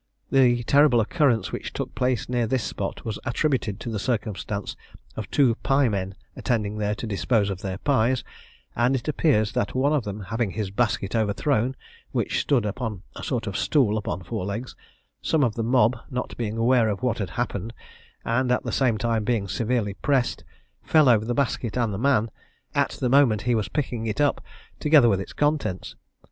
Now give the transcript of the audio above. The terrible occurrence which took place near this spot was attributed to the circumstance of two pie men attending there to dispose of their pies, and it appears that one of them having his basket overthrown, which stood upon a sort of stool upon four legs, some of the mob, not being aware of what had happened, and at the same time being severely pressed, fell over the basket and the man, at the moment he was picking it up, together with its contents.